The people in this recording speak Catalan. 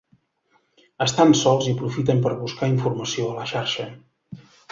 Estan sols i aprofiten per buscar informació a la xarxa.